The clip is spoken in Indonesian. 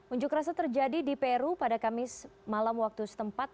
unjuk rasa terjadi di peru pada kamis malam waktu setempat